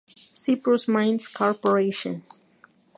Cyprus Mines Cooperation.